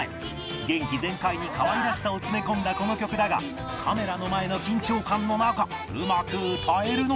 元気全開にかわいらしさを詰め込んだこの曲だがカメラの前の緊張感の中うまく歌えるのか？